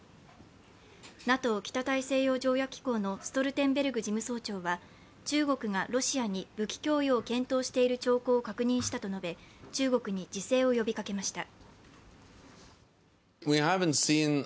ＮＡＴＯ＝北大西洋条約機構のストルテンベルグ事務総長は中国がロシアに武器供与を検討している兆候を確認したと述べ中国に自制を呼びかけました。